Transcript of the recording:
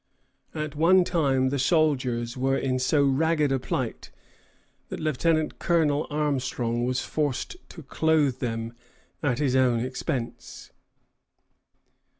At one time the soldiers were in so ragged a plight that Lieutenant Colonel Armstrong was forced to clothe them at his own expense.